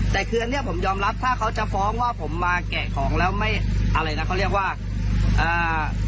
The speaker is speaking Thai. แต่คืออันเนี้ยผมยอมรับถ้าเขาจะฟ้องว่าผมมาแกะของแล้วไม่อะไรนะเขาเรียกว่าอ่า